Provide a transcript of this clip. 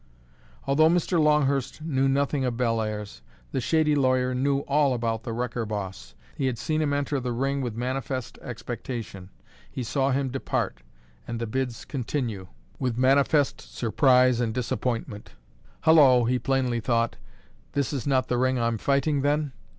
Although Mr. Longhurst knew nothing of Bellairs, the shady lawyer knew all about the Wrecker Boss. He had seen him enter the ring with manifest expectation; he saw him depart, and the bids continue, with manifest surprise and disappointment. "Hullo," he plainly thought, "this is not the ring I'm fighting, then?"